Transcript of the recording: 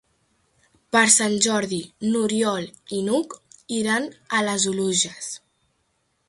Per Sant Jordi n'Oriol i n'Hug iran a les Oluges.